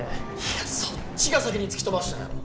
いやそっちが先に突き飛ばしたんやろ！